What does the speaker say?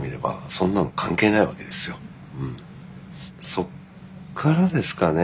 そっからですかね